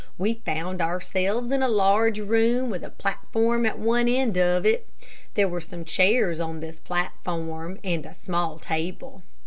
We found ourselves in a large room, with a platform at one end of it. There were some chairs on this platform and a small table.